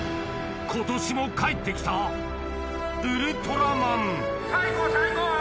今年も帰ってきたウルトラマンさぁ